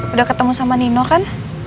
udah ketemu sama nino kan